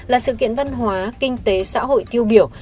là sự kiện văn hóa kinh tế xã hội tiêu biểu